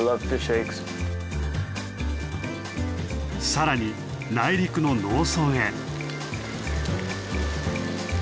更に内陸の農村ヘ。